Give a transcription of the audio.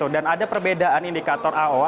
dan ada perbedaan indikator aoa